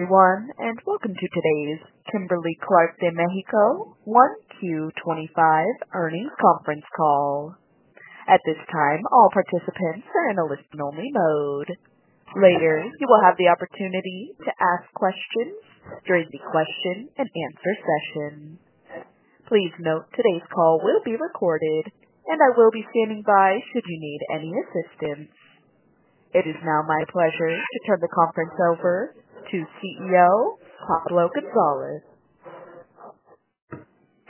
Everyone, and welcome to today's Kimberly-Clark de México 1Q25 earnings conference call. At this time, all participants are in a listen-only mode. Later, you will have the opportunity to ask questions during the question-and-answer session. Please note today's call will be recorded, and I will be standing by should you need any assistance. It is now my pleasure to turn the conference over to CEO Pablo González.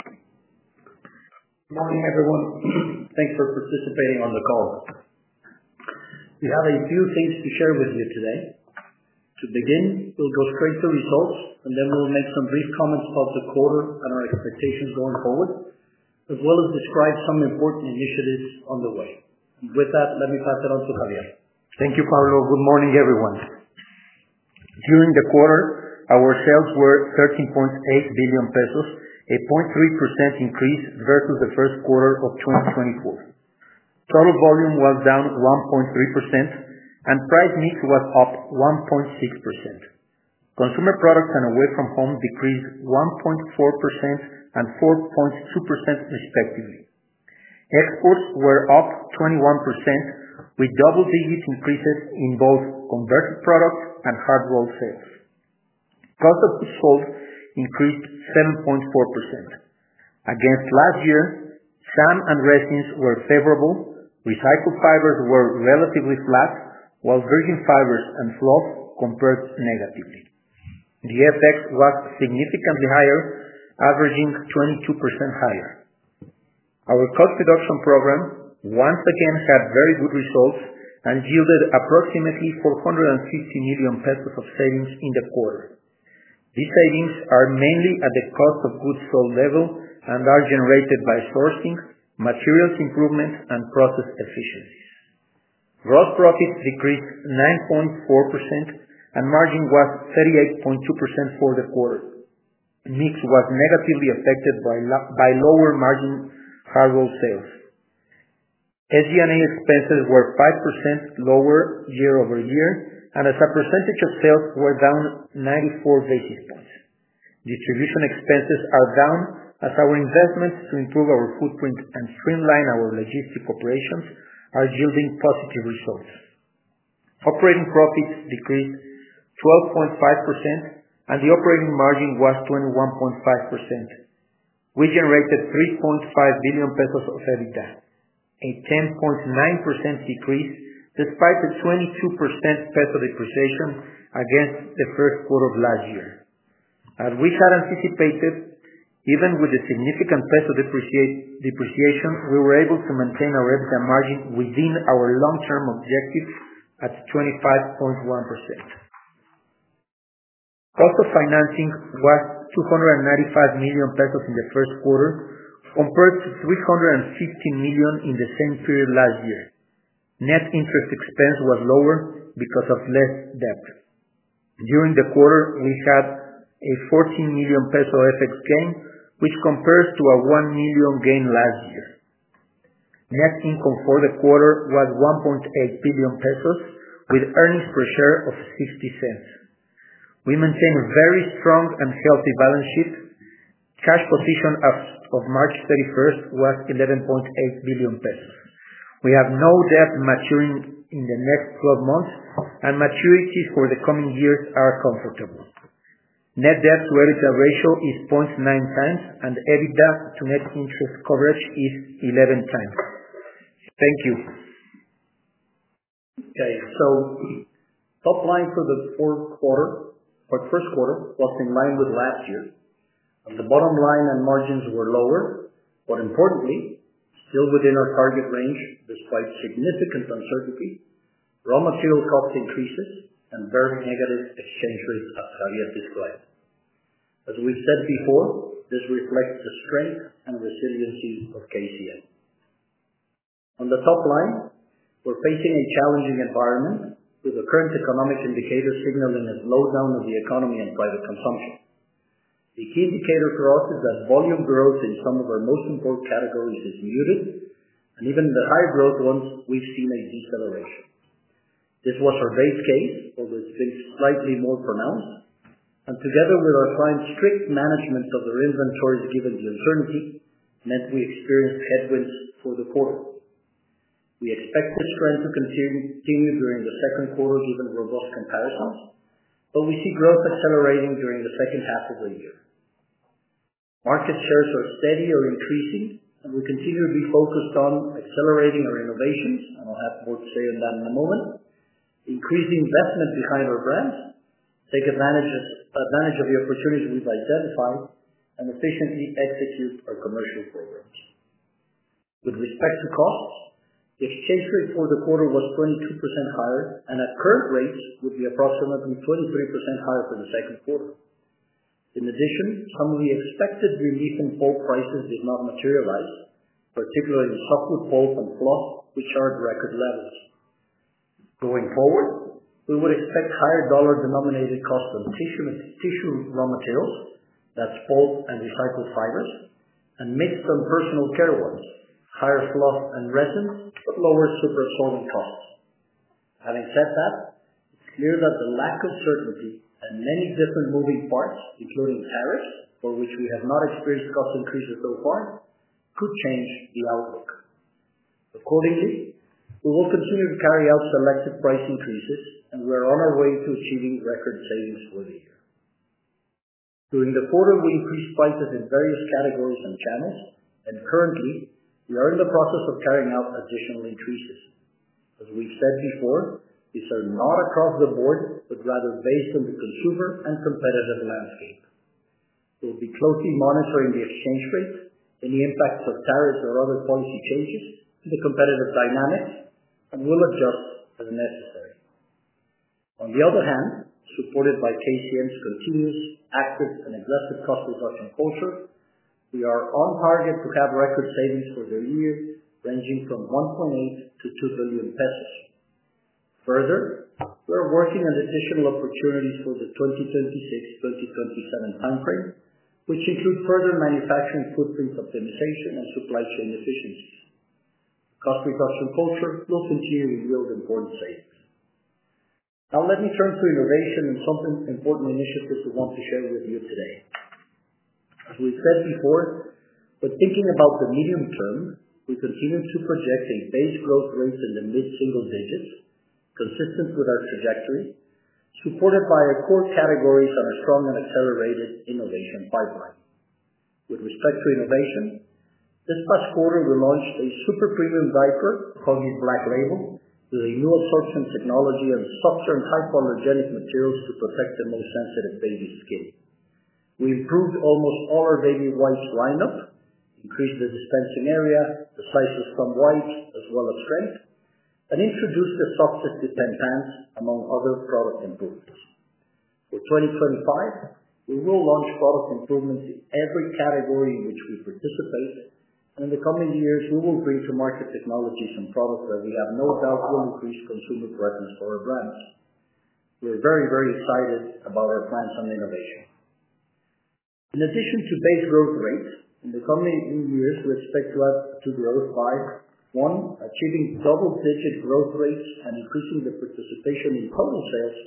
Good morning, everyone. Thanks for participating on the call. We have a few things to share with you today. To begin, we'll go straight to results, and then we'll make some brief comments about the quarter and our expectations going forward, as well as describe some important initiatives on the way. With that, let me pass it on to Xavier. Thank you, Pablo. Good morning, everyone. During the quarter, our sales were 13.8 billion pesos, a 0.3% increase versus the first quarter of 2024. Total volume was down 1.3%, and price mix was up 1.6%. Consumer products and away from home decreased 1.4% and 4.2%, respectively. Exports were up 21%, with double-digit increases in both converted products and hard roll sales. Cost of goods sold increased 7.4%. Against last year, SAM and resins were favorable. Recycled fibers were relatively flat, while virgin fibers and fluff compared negatively. The FX was significantly higher, averaging 22% higher. Our cost reduction program once again had very good results and yielded approximately 450 million pesos of savings in the quarter. These savings are mainly at the cost of goods sold level and are generated by sourcing, materials improvement, and process efficiencies. Gross profits decreased 9.4%, and margin was 38.2% for the quarter. Mix was negatively affected by lower margin hard roll sales. SG&A expenses were 5% lower year over year, and as a percentage of sales, were down 94 basis points. Distribution expenses are down, as our investments to improve our footprint and streamline our logistic operations are yielding positive results. Operating profits decreased 12.5%, and the operating margin was 21.5%. We generated 3.5 billion pesos of EBITDA, a 10.9% decrease despite the 22% peso depreciation against the first quarter of last year. As we had anticipated, even with the significant peso depreciation, we were able to maintain our EBITDA margin within our long-term objective at 25.1%. Cost of financing was 295 million pesos in the first quarter, compared to 315 million in the same period last year. Net interest expense was lower because of less debt. During the quarter, we had a 14 million peso FX gain, which compares to a 1 million gain last year. Net income for the quarter was 1.8 billion pesos, with earnings per share of 0.60. We maintain a very strong and healthy balance sheet. Cash position as of March 31st was 11.8 billion pesos. We have no debt maturing in the next 12 months, and maturities for the coming years are comfortable. Net debt to EBITDA ratio is 0.9 times, and EBITDA to net interest coverage is 11 times. Thank you. Okay. Top line for the first quarter was in line with last year. The bottom line and margins were lower, but importantly, still within our target range despite significant uncertainty, raw material cost increases, and very negative exchange rates as Xavier described. As we said before, this reflects the strength and resiliency of KCM. On the top line, we're facing a challenging environment with the current economic indicators signaling a slowdown of the economy and private consumption. The key indicator for us is that volume growth in some of our most important categories is muted, and even the higher growth ones, we've seen a deceleration. This was our base case, although it's been slightly more pronounced, and together with our clients' strict management of their inventories given the uncertainty, meant we experienced headwinds for the quarter. We expect this trend to continue during the second quarter given robust comparisons, but we see growth accelerating during the second half of the year. Market shares are steady or increasing, and we continue to be focused on accelerating our innovations, and I'll have more to say on that in a moment. Increase the investment behind our brands, take advantage of the opportunities we've identified, and efficiently execute our commercial programs. With respect to costs, the exchange rate for the quarter was 22% higher, and at current rates, would be approximately 23% higher for the second quarter. In addition, some of the expected relief in bulk prices did not materialize, particularly in softwood pulp and fluff, which are at record levels. Going forward, we would expect higher dollar-denominated costs on tissue raw materials, that's pulp and recycled fibers, and mixed and personal care ones, higher fluff and resins, but lower superabsorbent costs. Having said that, it's clear that the lack of certainty and many different moving parts, including tariffs, for which we have not experienced cost increases so far, could change the outlook. Accordingly, we will continue to carry out selective price increases, and we are on our way to achieving record savings for the year. During the quarter, we increased prices in various categories and channels, and currently, we are in the process of carrying out additional increases. As we've said before, these are not across the board, but rather based on the consumer and competitive landscape. We'll be closely monitoring the exchange rate, any impacts of tariffs or other policy changes, and the competitive dynamics, and we'll adjust as necessary. On the other hand, supported by KCM's continuous, active, and aggressive cost reduction culture, we are on target to have record savings for the year, ranging from 1.8 billion-2 billion pesos. Further, we're working on additional opportunities for the 2026-2027 timeframe, which include further manufacturing footprint optimization and supply chain efficiencies. Cost reduction culture will continue to yield important savings. Now, let me turn to innovation and some important initiatives we want to share with you today. As we said before, when thinking about the medium term, we continue to project a base growth rate in the mid-single digits, consistent with our trajectory, supported by our core categories and a strong and accelerated innovation pipeline. With respect to innovation, this past quarter, we launched a super premium diaper, Huggies Black Label, with a new absorption technology and softer and hypoallergenic materials to protect the most sensitive baby's skin. We improved almost all our baby wipes lineup, increased the dispensing area, the size of some wipes, as well as strength, and introduced the softest depend pants, among other product improvements. For 2025, we will launch product improvements in every category in which we participate, and in the coming years, we will bring to market technologies and products that we have no doubt will increase consumer preference for our brands. We're very, very excited about our plans and innovation. In addition to base growth rate, in the coming years, we expect to have to grow by one, achieving double-digit growth rates and increasing the participation in total sales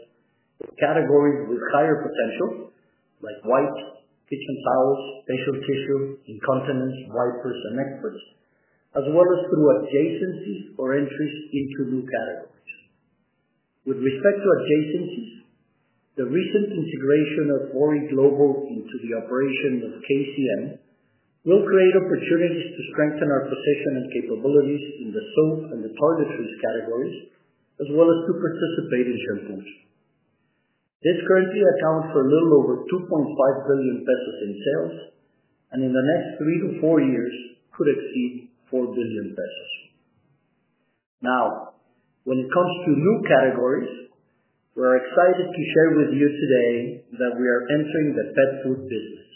of categories with higher potential, like wipes, kitchen towels, facial tissue, incontinence, wipers, and experts, as well as through adjacencies or entries into new categories. With respect to adjacencies, the recent integration of 4e Global into the operation of KCM will create opportunities to strengthen our position and capabilities in the soap and the toiletries categories, as well as to participate in shampoos. This currently accounts for a little over 2.5 billion pesos in sales, and in the next three to four years, could exceed 4 billion pesos. Now, when it comes to new categories, we're excited to share with you today that we are entering the pet food business.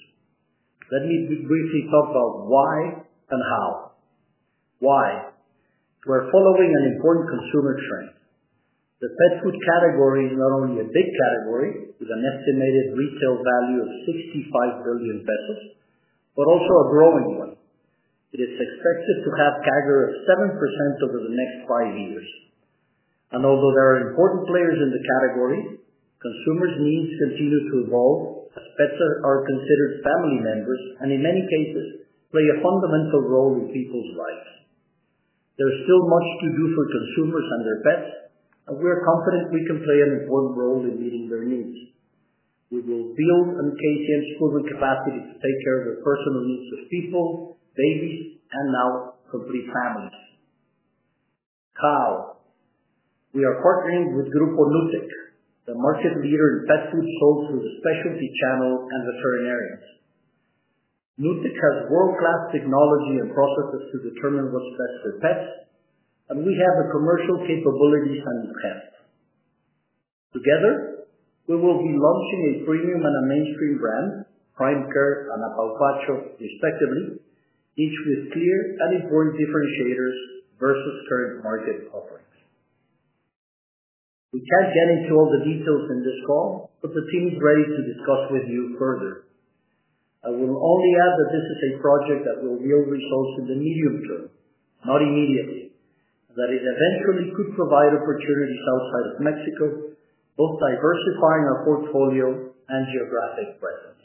Let me briefly talk about why and how. Why? We're following an important consumer trend. The pet food category is not only a big category with an estimated retail value of 65 billion pesos, but also a growing one. It is expected to have a CAGR of 7% over the next five years. Although there are important players in the category, consumers' needs continue to evolve as pets are considered family members and, in many cases, play a fundamental role in people's lives. There is still much to do for consumers and their pets, and we're confident we can play an important role in meeting their needs. We will build on KCM's proven capacity to take care of the personal needs of people, babies, and now complete families. Now, we are partnering with Grupo Nutec, the market leader in pet food sold through the specialty channel and veterinarians. Nutec has world-class technology and processes to determine what's best for pets, and we have the commercial capabilities and the craft. Together, we will be launching a premium and a mainstream brand, Prime Care and Apawpacho, respectively, each with clear and important differentiators versus current market offerings. We can't get into all the details in this call, but the team is ready to discuss with you further. I will only add that this is a project that will yield results in the medium term, not immediately, and that it eventually could provide opportunities outside of Mexico, both diversifying our portfolio and geographic presence.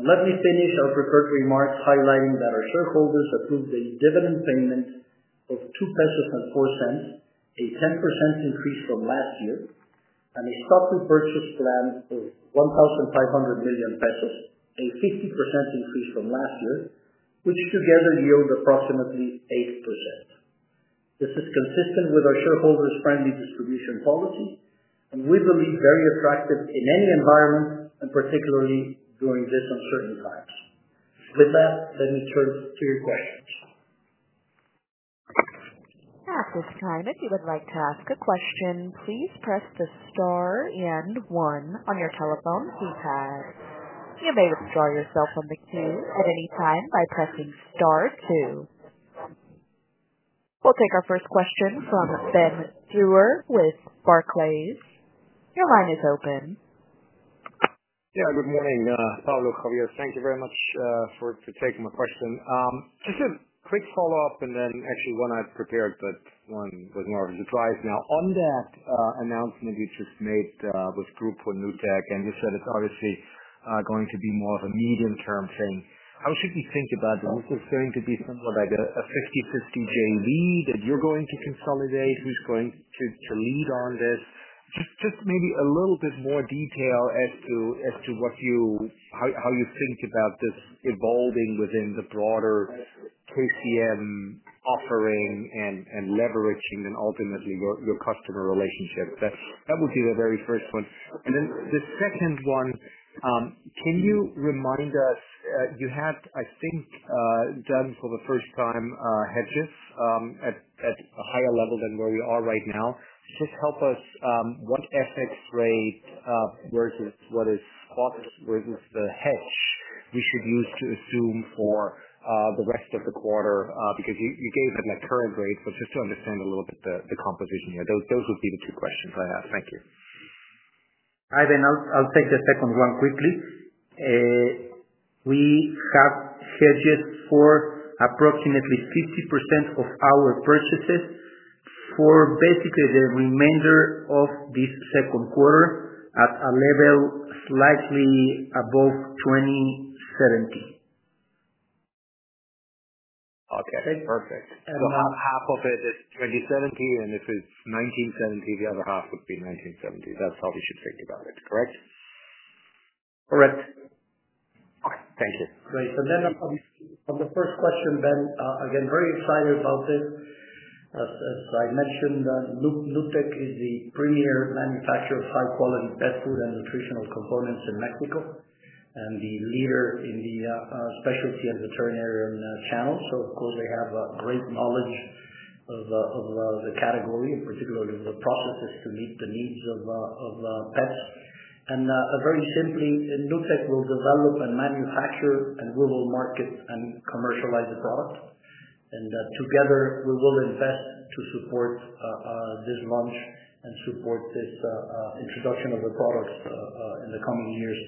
Let me finish our prepared remarks highlighting that our shareholders approved a dividend payment of 2.04 pesos, a 10% increase from last year, and a stock repurchase plan of 1,500 million pesos, a 50% increase from last year, which together yield approximately 8%. This is consistent with our shareholders' friendly distribution policy, and we believe very attractive in any environment, and particularly during these uncertain times. With that, let me turn to your questions. At this time, if you would like to ask a question, please press the star and one on your telephone keypad. You may withdraw yourself from the queue at any time by pressing star two. We'll take our first question from Ben Theurer with Barclays. Your line is open. Yeah, good morning, Pablo. Thank you very much for taking my question. Just a quick follow-up, and then actually one I prepared, but one was more of a surprise. Now, on that announcement you just made with Grupo Nutec, and you said it's obviously going to be more of a medium-term thing, how should we think about this? Is this going to be something like a 50-50 JV that you're going to consolidate? Who's going to lead on this? Just maybe a little bit more detail as to how you think about this evolving within the broader KCM offering and leveraging and ultimately your customer relationship. That would be the very first one. Then the second one, can you remind us, you had, I think, done for the first time hedges at a higher level than where we are right now? Just help us, what FX rate versus what is what versus the hedge we should use to assume for the rest of the quarter? Because you gave it a current rate, but just to understand a little bit the composition here, those would be the two questions I have. Thank you. Hi there. I'll take the second one quickly. We have hedges for approximately 50% of our purchases for basically the remainder of this second quarter at a level slightly above 20.70. Okay. Perfect. And half of it is 20.70, and if it's 19.70, the other half would be 19.70. That's how we should think about it, correct? Correct. Okay. Thank you. Great. On the first question, Ben, again, very excited about this. As I mentioned, Grupo Nutec is the premier manufacturer of high-quality pet food and nutritional components in Mexico and the leader in the specialty and veterinarian channels. Of course, they have great knowledge of the category, particularly the processes to meet the needs of pets. Very simply, Grupo Nutec will develop and manufacture, and we will market and commercialize the product. Together, we will invest to support this launch and support this introduction of the products in the coming years.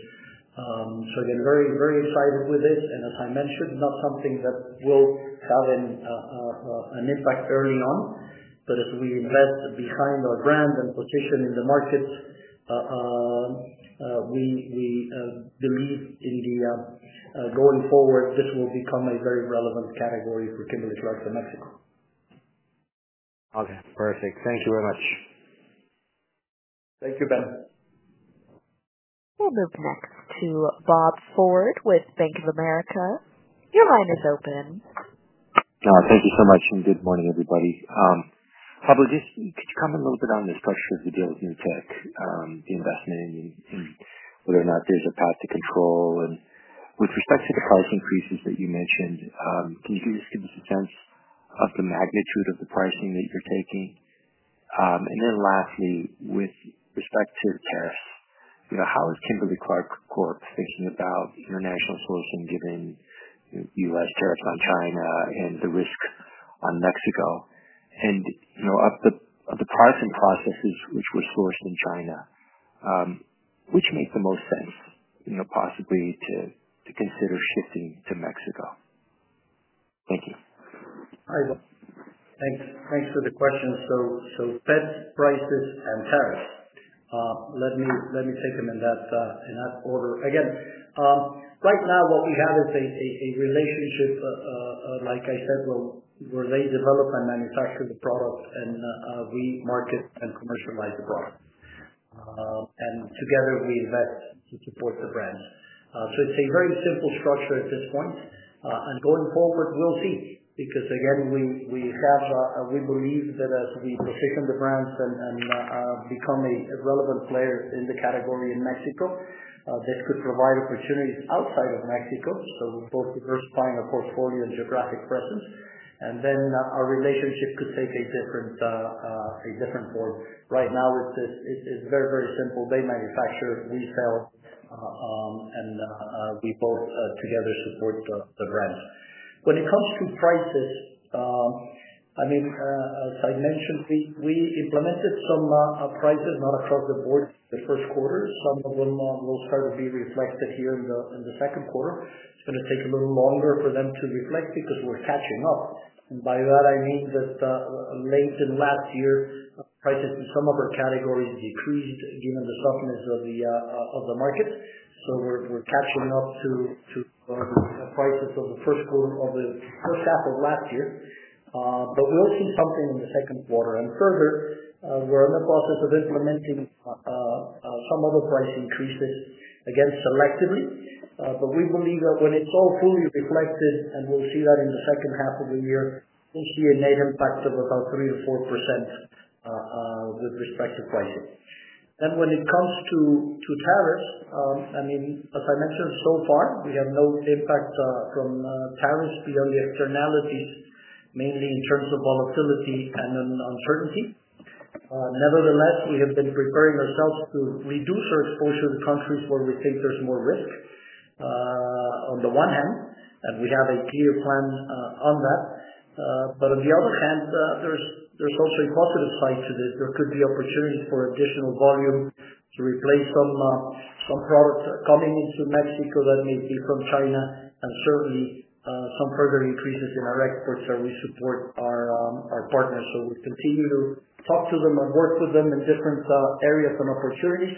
Very, very excited with this. As I mentioned, not something that will have an impact early on, but as we invest behind our brand and position in the markets, we believe going forward, this will become a very relevant category for Kimberly-Clark de México. Okay. Perfect. Thank you very much. Thank you, Ben. We'll move next to Bob Ford with Bank of America. Your line is open. Thank you so much, and good morning, everybody. Pablo, just could you comment a little bit on the structure of the deal with Grupo Nutec, the investment, and whether or not there's a path to control? With respect to the price increases that you mentioned, can you just give us a sense of the magnitude of the pricing that you're taking? Lastly, with respect to tariffs, how is Kimberly-Clark de México thinking about international sourcing given U.S. tariffs on China and the risk on Mexico? Of the pricing processes which were sourced in China, which make the most sense possibly to consider shifting to Mexico? Thank you. All right. Thanks for the questions. Pet prices and tariffs. Let me take them in that order. Again, right now, what we have is a relationship, like I said, where they develop and manufacture the product, and we market and commercialize the product. Together, we invest to support the brands. It is a very simple structure at this point. Going forward, we will see. Because, again, we believe that as we position the brands and become a relevant player in the category in Mexico, this could provide opportunities outside of Mexico. We are both diversifying our portfolio and geographic presence. Our relationship could take a different form. Right now, it is very, very simple. They manufacture, we sell, and we both together support the brands. When it comes to prices, I mean, as I mentioned, we implemented some prices not across the board the first quarter. Some of them will start to be reflected here in the second quarter. It's going to take a little longer for them to reflect because we're catching up. And by that, I mean that late in last year, prices in some of our categories decreased given the softness of the market. So we're catching up to prices of the first half of last year. We'll see something in the second quarter. Further, we're in the process of implementing some other price increases, again, selectively. We believe that when it's all fully reflected, and we'll see that in the second half of the year, we'll see a net impact of about 3-4% with respect to pricing. When it comes to tariffs, I mean, as I mentioned, so far, we have no impact from tariffs beyond the externalities, mainly in terms of volatility and uncertainty. Nevertheless, we have been preparing ourselves to reduce our exposure to countries where we think there's more risk on the one hand, and we have a clear plan on that. On the other hand, there's also a positive side to this. There could be opportunities for additional volume to replace some products coming into Mexico that may be from China, and certainly some further increases in our exports as we support our partners. We continue to talk to them and work with them in different areas and opportunities.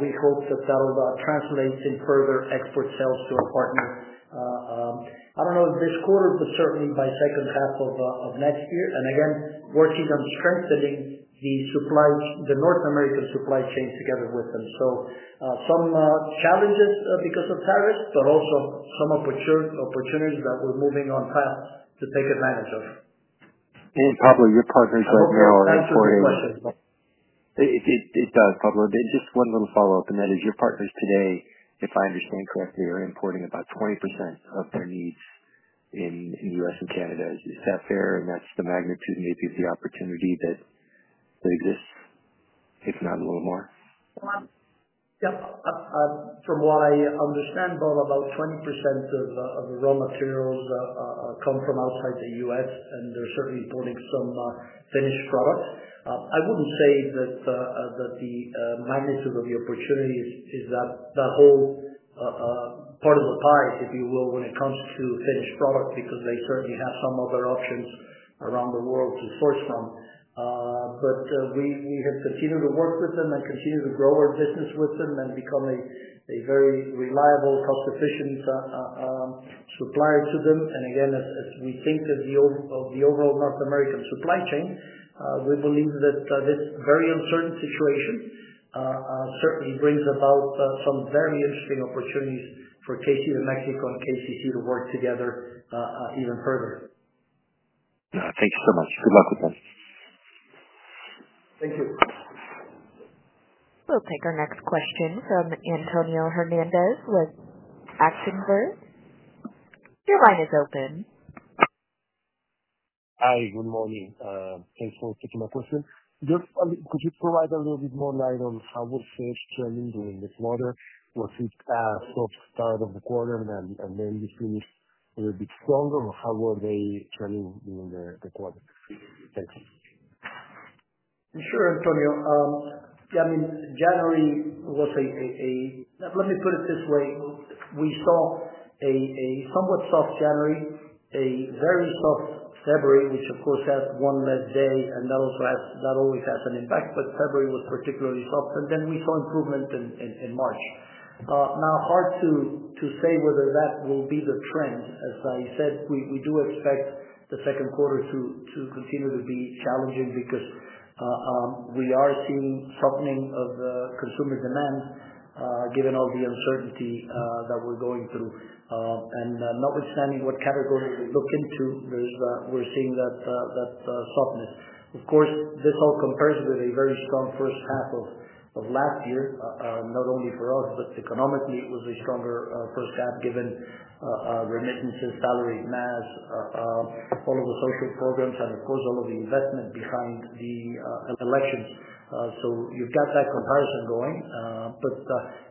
We hope that that'll translate in further export sales to our partners. I don't know if this quarter, but certainly by the second half of next year. Again, working on strengthening the North American supply chain together with them. There are some challenges because of tariffs, but also some opportunities that we're moving on path to take advantage of. Pablo, your partners right now are importing. It does, Pablo. Just one little follow-up, and that is your partners today, if I understand correctly, are importing about 20% of their needs in the U.S. and Canada. Is that fair? That is the magnitude maybe of the opportunity that exists, if not a little more? Yep. From what I understand, about 20% of the raw materials come from outside the U.S., and they are certainly importing some finished products. I would not say that the magnitude of the opportunity is that whole part of the pie, if you will, when it comes to finished products, because they certainly have some other options around the world to source from. We have continued to work with them and continue to grow our business with them and become a very reliable, cost-efficient supplier to them. Again, as we think of the overall North American supply chain, we believe that this very uncertain situation certainly brings about some very interesting opportunities for Kimberly-Clark de México and KCC to work together even further. Thank you so much. Good luck with them. Thank you. We'll take our next question from Antonio Hernández with Actinver. Your line is open. Hi. Good morning. Thanks for taking my question. Could you provide a little bit more light on how was sales trending during this quarter? Was it a soft start of the quarter and then you finished a little bit stronger, or how were they trending during the quarter? Thanks. Sure, Antonio. Yeah, I mean, January was a—let me put it this way. We saw a somewhat soft January, a very soft February, which, of course, has one less day, and that always has an impact. February was particularly soft, and then we saw improvement in March. Hard to say whether that will be the trend. As I said, we do expect the second quarter to continue to be challenging because we are seeing softening of consumer demand given all the uncertainty that we're going through. Notwithstanding what category we look into, we're seeing that softness. Of course, this all compares with a very strong first half of last year, not only for us, but economically, it was a stronger first half given remittances, salaried mass, all of the social programs, and of course, all of the investment behind the elections. You have that comparison going.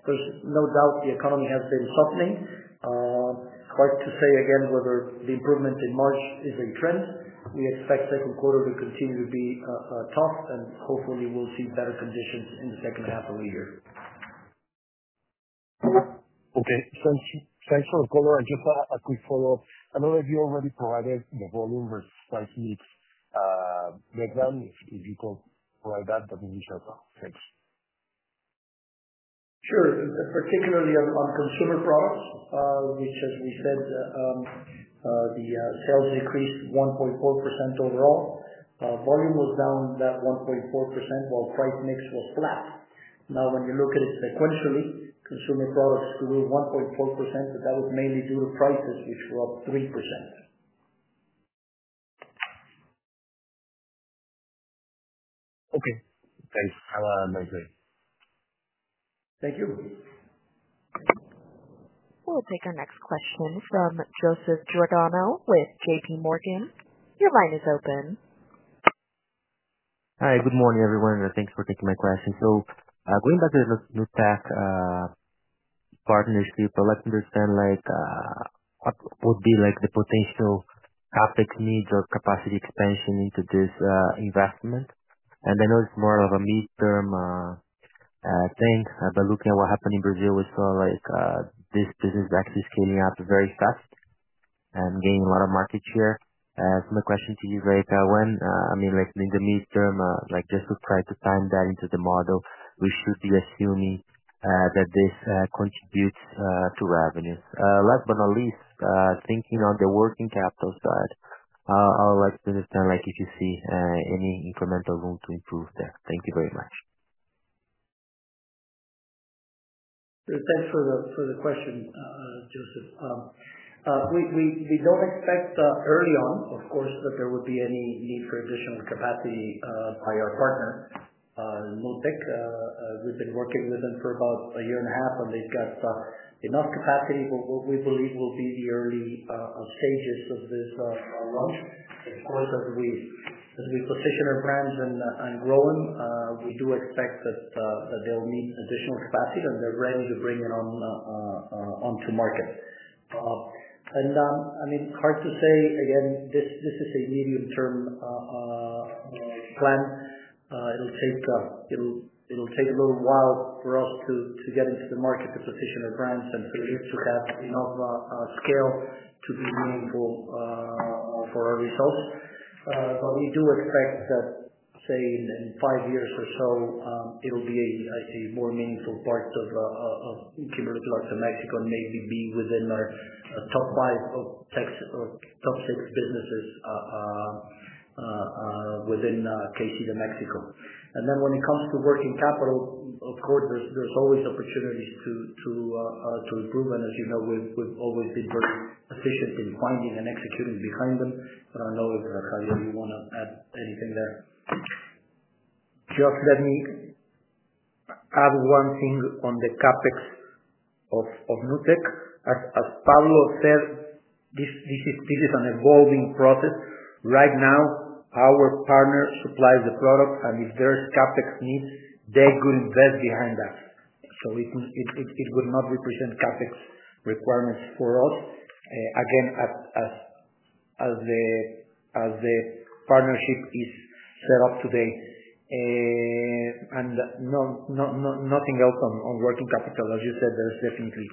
There is no doubt the economy has been softening. Hard to say again whether the improvement in March is a trend. We expect second quarter to continue to be tough, and hopefully, we'll see better conditions in the second half of the year. Okay. Thanks for the call. Just a quick follow-up. I know that you already provided the volume versus price needs. If you could provide that, that would be helpful. Thanks. Sure. Particularly on consumer products, which, as we said, the sales decreased 1.4% overall. Volume was down that 1.4% while price mix was flat. Now, when you look at it sequentially, consumer products grew 1.4%, but that was mainly due to prices, which were up 3%. Okay. Thanks. I'll migrate. Thank you. We'll take our next question from Joseph Giordano with JPMorgan. Your line is open. Hi. Good morning, everyone, and thanks for taking my question. Going back to the Nutec partnership, I'd like to understand what would be the potential CapEx needs or capacity expansion into this investment. I know it's more of a midterm thing, but looking at what happened in Brazil, we saw this business actually scaling up very fast and gaining a lot of market share. My question to you is, I mean, in the midterm, just to try to time that into the model, we should be assuming that this contributes to revenues. Last but not least, thinking on the working capital side, I would like to understand if you see any incremental room to improve there. Thank you very much. Thanks for the question, Joseph. We don't expect early on, of course, that there would be any need for additional capacity by our partner, Nutec. We've been working with them for about a year and a half, and they've got enough capacity for what we believe will be the early stages of this launch. Of course, as we position our brands and grow them, we do expect that they'll need additional capacity, and they're ready to bring it onto market. I mean, hard to say. Again, this is a medium-term plan. It'll take a little while for us to get into the market to position our brands and for this to have enough scale to be meaningful for our results. We do expect that, say, in five years or so, it'll be a more meaningful part of Kimberly-Clark de México and maybe be within our top five or top six businesses within KC de México. When it comes to working capital, of course, there's always opportunities to improve. As you know, we've always been very efficient in finding and executing behind them. I know, Xavier, you want to add anything there. Let me add one thing on the CapEx of Nutec. As Pablo said, this is an evolving process. Right now, our partner supplies the product, and if there are CapEx needs, they could invest behind us. It would not represent CapEx requirements for us, again, as the partnership is set up today. Nothing else on working capital. As you said, there are definitely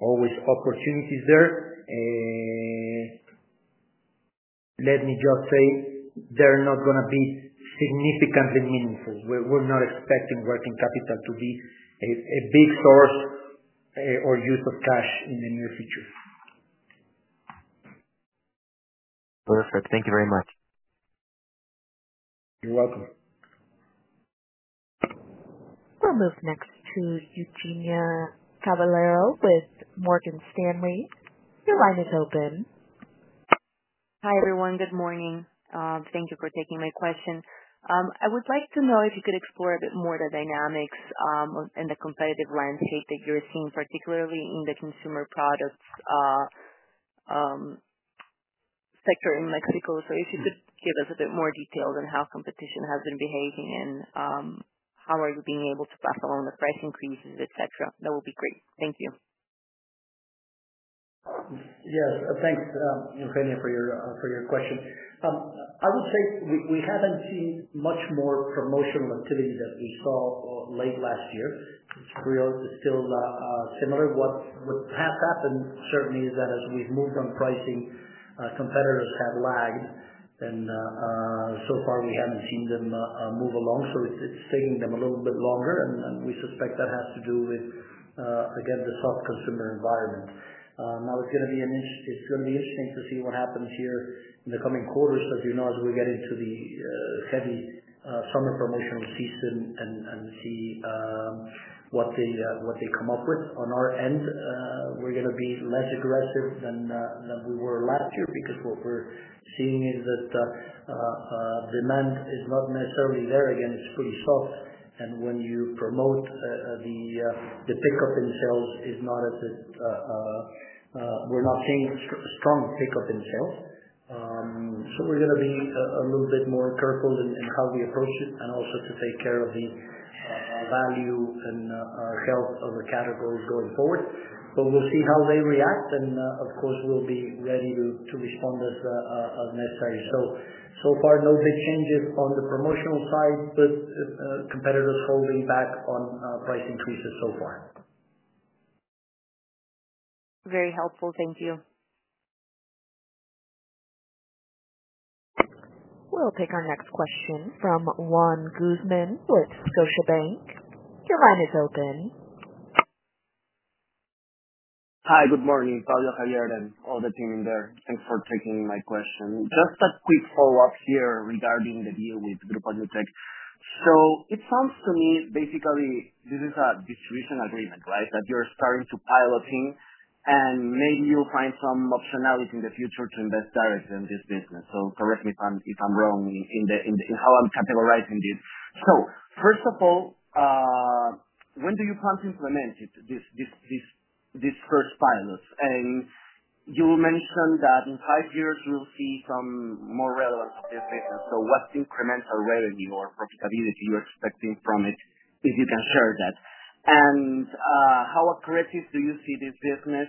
always opportunities there. Let me just say, they are not going to be significantly meaningful. We are not expecting working capital to be a big source or use of cash in the near future. Perfect. Thank you very much. You're welcome. We'll move next to Eugenia Cavalheiro with Morgan Stanley. Your line is open. Hi, everyone. Good morning. Thank you for taking my question. I would like to know if you could explore a bit more the dynamics and the competitive landscape that you're seeing, particularly in the consumer products sector in Mexico. If you could give us a bit more detail on how competition has been behaving and how you are being able to pass along the price increases, etc., that would be great. Thank you. Yes. Thanks, Eugenia, for your question. I would say we haven't seen much more promotional activity than we saw late last year. It's still similar. What has happened, certainly, is that as we've moved on pricing, competitors have lagged. So far, we haven't seen them move along. It's taking them a little bit longer, and we suspect that has to do with, again, the soft consumer environment. Now, it's going to be interesting to see what happens here in the coming quarters. As you know, as we get into the heavy summer promotional season and see what they come up with. On our end, we're going to be less aggressive than we were last year because what we're seeing is that demand is not necessarily there. Again, it's pretty soft. And when you promote, the pickup in sales is not as a—we're not seeing a strong pickup in sales. We are going to be a little bit more careful in how we approach it and also to take care of the value and our health of the categories going forward. We will see how they react, and of course, we'll be ready to respond as necessary. So far, no big changes on the promotional side, but competitors holding back on price increases so far. Very helpful. Thank you. We'll take our next question from Juan Guzman with Scotiabank. Your line is open. Hi. Good morning, Xavier Cortés, and all the team in there. Thanks for taking my question. Just a quick follow-up here regarding the deal with Grupo Nutec. It sounds to me, basically, this is a distribution agreement, right, that you're starting to piloting, and maybe you'll find some optionality in the future to invest directly in this business. Correct me if I'm wrong in how I'm categorizing this. First of all, when do you plan to implement this first pilot? You mentioned that in five years, we'll see some more relevance of this business. What incremental revenue or profitability are you expecting from it, if you can share that? How accurate do you see this business?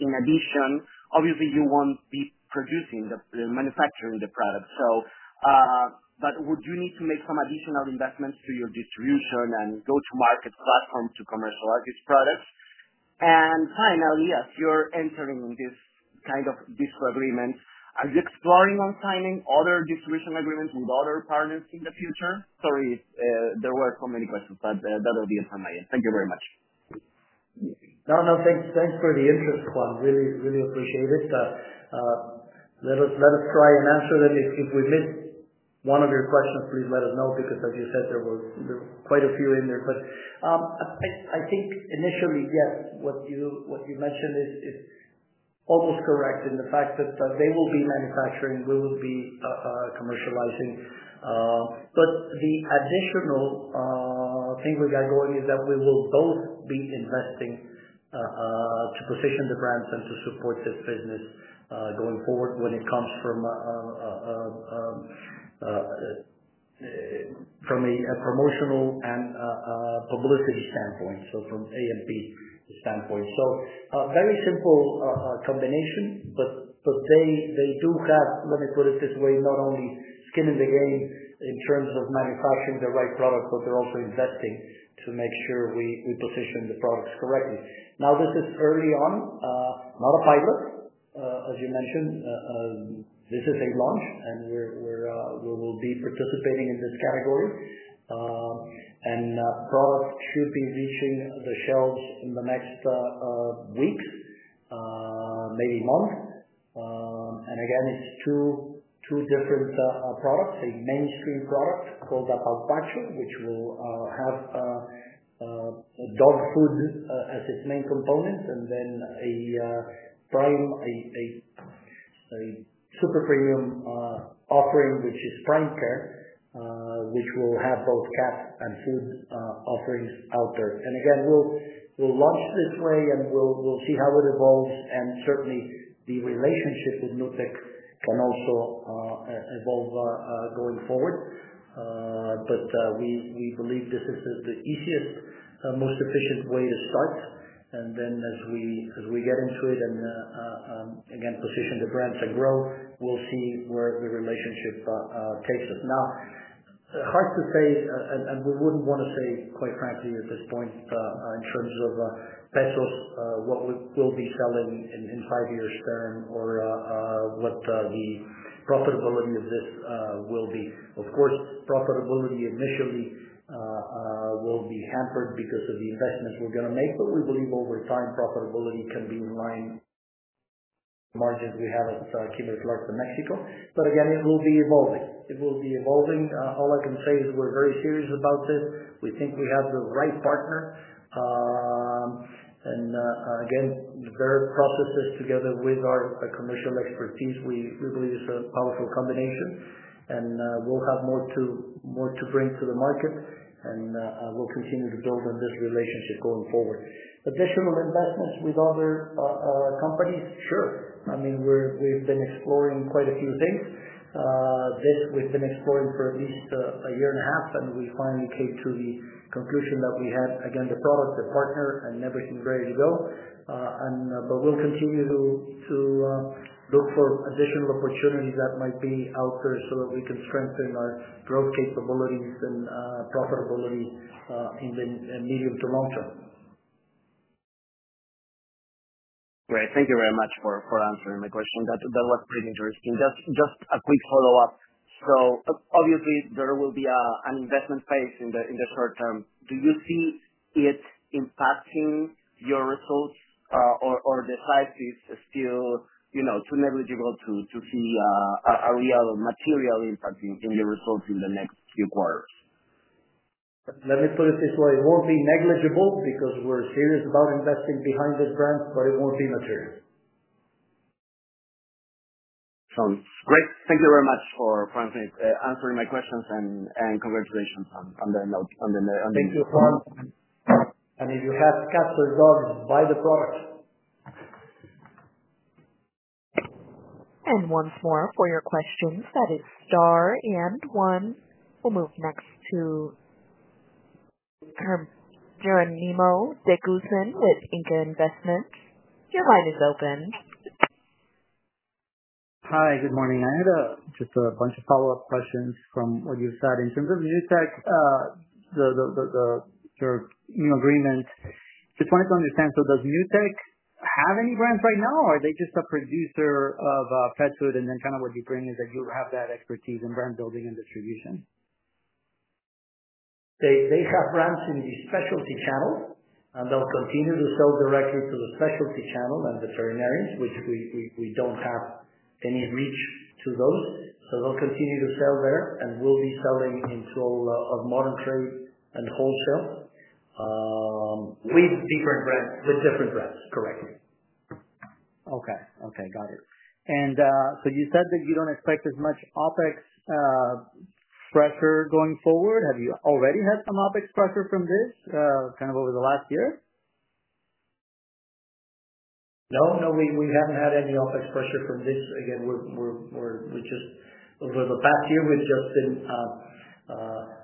In addition, obviously, you won't be producing, manufacturing the product. Would you need to make some additional investments to your distribution and go-to-market platform to commercialize these products? Finally, as you are entering in this kind of this agreement, are you exploring on signing other distribution agreements with other partners in the future? Sorry, there were so many questions, but that will be it from my end. Thank you very much. No, no. Thanks for the interest, Juan. Really appreciate it. Let us try and answer them. If we miss one of your questions, please let us know because, as you said, there were quite a few in there. I think, initially, yes, what you mentioned is almost correct in the fact that they will be manufacturing, we will be commercializing. The additional thing we've got going is that we will both be investing to position the brands and to support this business going forward when it comes from a promotional and publicity standpoint, so from A and B standpoint. Very simple combination, but they do have, let me put it this way, not only skin in the game in terms of manufacturing the right product, but they're also investing to make sure we position the products correctly. Now, this is early on, not a pilot, as you mentioned. This is a launch, and we will be participating in this category. Products should be reaching the shelves in the next weeks, maybe month. Again, it's two different products: a mainstream product called Apawpacho, which will have dog food as its main component, and then a super premium offering, which is Prime Care, which will have both cat and dog food offerings out there. We'll launch this way, and we'll see how it evolves. Certainly, the relationship with Grupo Nutec can also evolve going forward. We believe this is the easiest, most efficient way to start. As we get into it and, again, position the brands and grow, we'll see where the relationship takes us. Now, hard to say, and we wouldn't want to say, quite frankly, at this point, in terms of MXN, what we will be selling in five years' time or what the profitability of this will be. Of course, profitability initially will be hampered because of the investments we're going to make. We believe over time, profitability can be in line with the margins we have at Kimberly-Clark de México. It will be evolving. All I can say is we're very serious about this. We think we have the right partner. Their processes together with our commercial expertise, we believe it's a powerful combination. We'll have more to bring to the market, and we'll continue to build on this relationship going forward. Additional investments with other companies? Sure. I mean, we've been exploring quite a few things. This we've been exploring for at least a year and a half, and we finally came to the conclusion that we had, again, the product, the partner, and everything ready to go. We will continue to look for additional opportunities that might be out there so that we can strengthen our growth capabilities and profitability in the medium to long term. Great. Thank you very much for answering my question. That was pretty interesting. Just a quick follow-up. Obviously, there will be an investment phase in the short term. Do you see it impacting your results or the size is still too negligible to see a real material impact in your results in the next few quarters? Let me put it this way. It will not be negligible because we are serious about investing behind these brands, but it will not be material. Sounds great. Thank you very much for answering my questions, and congratulations on the note. Thank you for—and if you have cats or dogs, buy the product. Once more, for your questions, that is Star and one. We'll move next to Geronimo De Guzman with INCA Investments. Your line is open. Hi. Good morning. I had just a bunch of follow-up questions from what you said. In terms of Nutec, your new agreement, just wanted to understand, does Nutec have any brands right now, or are they just a producer of pet food? What you're saying is that you have that expertise in brand building and distribution. They have brands in the specialty channel, and they'll continue to sell directly to the specialty channel and veterinarians, which we don't have any reach to those. They'll continue to sell there, and we'll be selling into all of modern trade and wholesale. With different brands. With different brands. Correct. Okay. Got it. You said that you don't expect as much OpEx pressure going forward. Have you already had some OpEx pressure from this kind of over the last year? No, no. We have not had any OpEx pressure from this. Again, over the past year, we have just been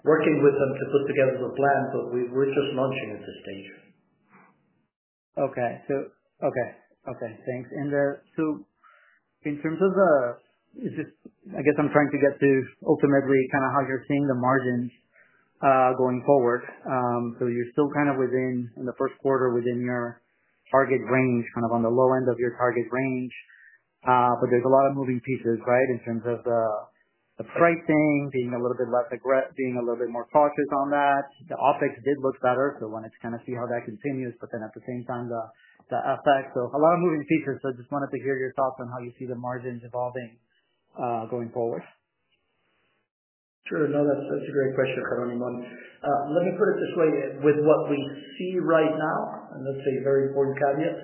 working with them to put together the plan, but we are just launching at this stage. Okay. Okay. Okay. Thanks. In terms of the—I guess I am trying to get to ultimately kind of how you are seeing the margins going forward. You are still kind of within, in the first quarter, within your target range, kind of on the low end of your target range. There are a lot of moving pieces, right, in terms of the pricing being a little bit less aggressive, being a little bit more cautious on that. The OpEx did look better, so we wanted to kind of see how that continues, but at the same time, the effect. A lot of moving pieces. I just wanted to hear your thoughts on how you see the margins evolving going forward. Sure. No, that's a great question, Geronimo. Let me put it this way. With what we see right now, and that's a very important caveat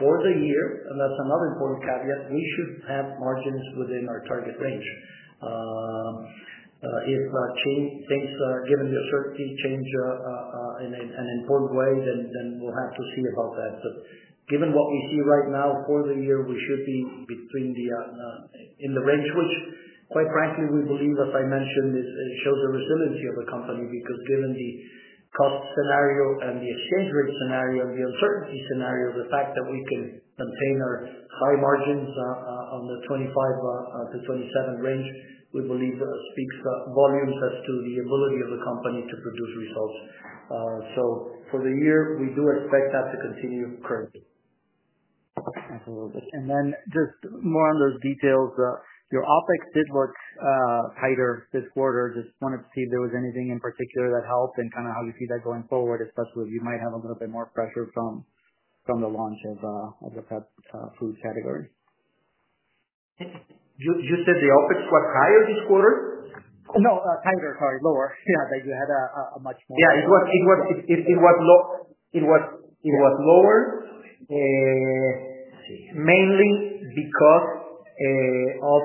for the year, and that's another important caveat, we should have margins within our target range. If things, given the uncertainty, change in an important way, then we'll have to see about that. Given what we see right now for the year, we should be in the range which, quite frankly, we believe, as I mentioned, shows the resiliency of the company because given the cost scenario and the exchange rate scenario and the uncertainty scenario, the fact that we can maintain our high margins on the 25%-27% range, we believe, speaks volumes as to the ability of the company to produce results. For the year, we do expect that to continue currently. Absolutely. Just more on those details. Your OpEx did look tighter this quarter. Just wanted to see if there was anything in particular that helped and kind of how you see that going forward, especially if you might have a little bit more pressure from the launch of the pet food category. You said the OpEx was higher this quarter? No, tighter. Sorry, lower. Yeah, that you had a much more—yeah, it was lower. Mainly because of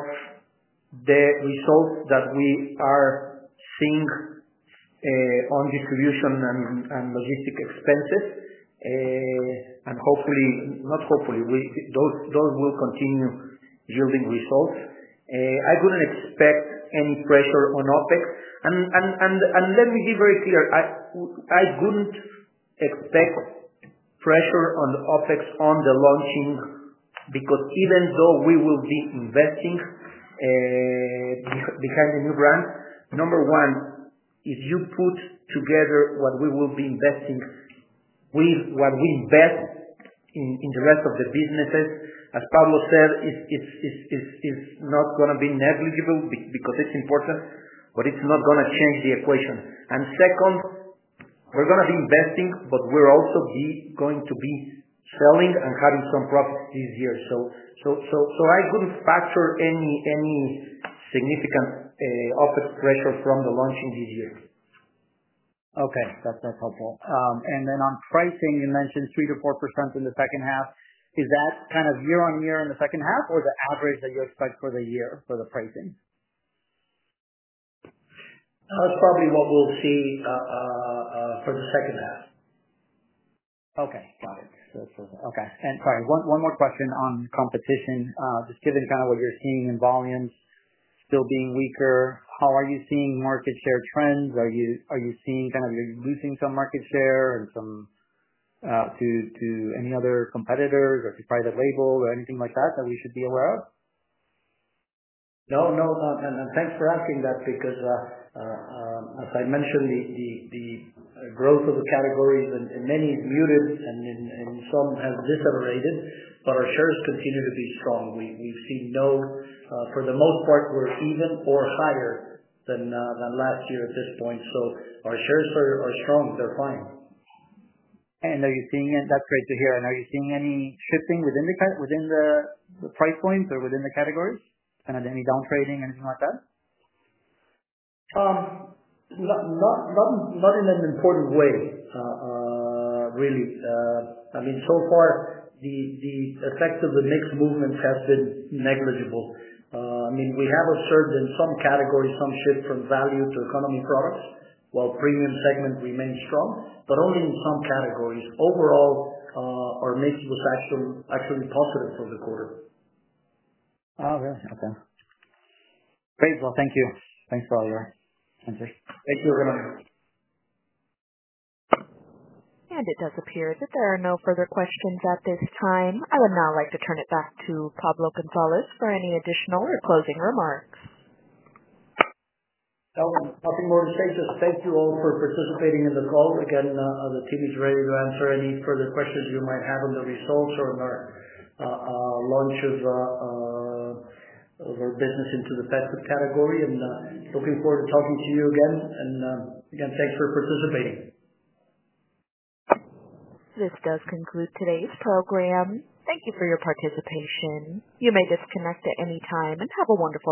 the results that we are seeing on distribution and logistic expenses. Hopefully—not hopefully—those will continue yielding results. I could not expect any pressure on OpEx. Let me be very clear. I could not expect pressure on OpEx on the launching because even though we will be investing behind the new brand, number one, if you put together what we will be investing with what we invest in the rest of the businesses, as Pablo said, it is not going to be negligible because it is important, but it is not going to change the equation. Second, we are going to be investing, but we are also going to be selling and having some profits this year. I could not factor any significant OpEx pressure from the launching this year. Okay. That is helpful. On pricing, you mentioned 3-4% in the second half. Is that kind of year on year in the second half, or is it average that you expect for the year for the pricing? That is probably what we will see for the second half. Okay. Got it. Okay. Sorry, one more question on competition. Just given what you are seeing in volumes still being weaker, how are you seeing market share trends? Are you seeing you are losing some market share to any other competitors or to private label or anything like that that we should be aware of? No, no. Thanks for asking that because, as I mentioned, the growth of the categories in many is muted and in some has decelerated, but our shares continue to be strong. We've seen no, for the most part, we're even or higher than last year at this point. Our shares are strong. They're fine. That's great to hear. Are you seeing any shifting within the price points or within the categories? Kind of any downtrading, anything like that? Not in an important way, really. I mean, so far, the effect of the mixed movements has been negligible. I mean, we have observed in some categories some shift from value to economy products while premium segment remains strong, but only in some categories. Overall, our mix was actually positive for the quarter. Thank you. Thanks for all your answers. Thank you, Geronimo. It does appear that there are no further questions at this time. I would now like to turn it back to Pablo González for any additional or closing remarks. Nothing more to say. Just thank you all for participating in the call. Again, the team is ready to answer any further questions you might have on the results or on our launch of our business into the pet food category. Looking forward to talking to you again. Again, thanks for participating. This does conclude today's program. Thank you for your participation. You may disconnect at any time and have a wonderful day.